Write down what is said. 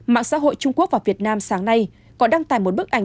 mạng xã hội trung quốc và việt nam sáng nay có đăng tải một bức ảnh